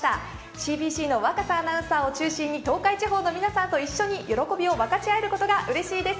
ＣＢＣの若狭アナウンサーを中心に東海地方の皆さんと一緒に喜びを分かち合えることがうれしいです。